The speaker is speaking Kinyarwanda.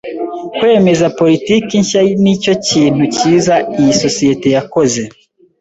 Kwemeza politiki nshya nicyo kintu cyiza iyi sosiyete yakoze.